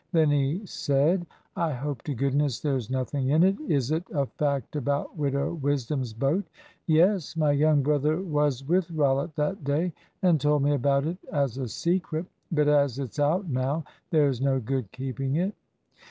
Then he said "I hope to goodness there's nothing in it. Is it a fact about Widow Wisdom's boat?" "Yes; my young brother was with Rollitt that day, and told me about it as a secret. But as it's out now, there's no good keeping it."